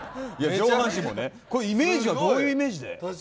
イメージはどういうイメージで？